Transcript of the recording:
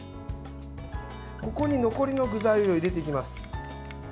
ここに残りの具材を入れていきます。